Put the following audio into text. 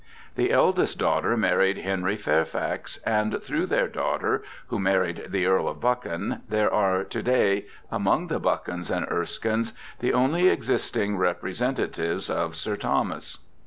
The eldest daughter married Henry Fairfax, and through their daughter, who married the Earl of Buchan, there are to day among the Buchans and Erskines the only existing representatives of Sir Thomas.